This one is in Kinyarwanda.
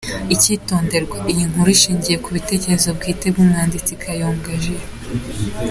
Icyitonderwa: Iyi nkuru ishingiye ku bitekerezo bwite by’umwanditsi Kayonga J.